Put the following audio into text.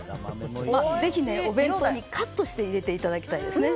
ぜひお弁当にカットして入れていただきたいですね。